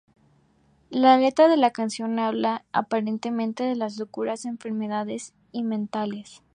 La letra de la canción habla aparentemente de locura y enfermedades mentales.